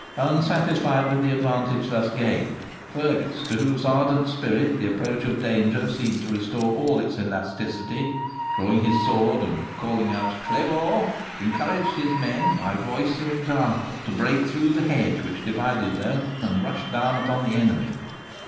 Unsatisfied with the advantage thus gained, Fergus, to whose ardent spirit the approach of danger seemed to restore all its elasticity, drawing his sword and calling out 'Claymore!' encouraged his men, by voice and example, to break through the hedge which divided them and rush down upon the enemy.